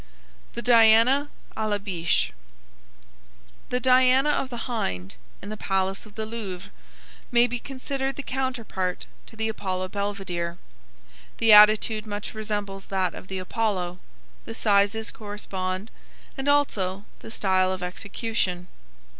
THE DIANA A LA BICHE The Diana of the Hind, in the palace of the Louvre, may be considered the counterpart to the Apollo Belvedere. The attitude much resembles that of the Apollo, the sizes correspond and also the style of execution.